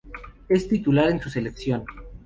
Es titular en su selección.